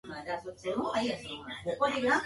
君に腕いっぱいの花束を贈ろう